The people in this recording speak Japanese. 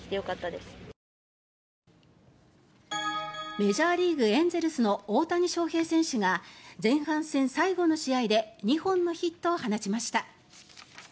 メジャーリーグ、エンゼルスの大谷翔平選手が前半戦最後の試合で２本のヒットを放ちました。